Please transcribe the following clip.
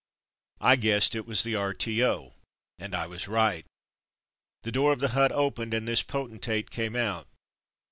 I guessed it was the R.T.O., and I was right. The door of the hut opened and this potentate came out.